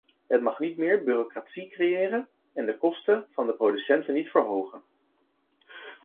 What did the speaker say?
Het mag niet meer bureaucratie creëren en de kosten voor de producenten niet verhogen.